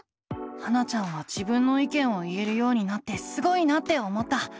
ハナちゃんは自分の意見を言えるようになってすごいなって思った。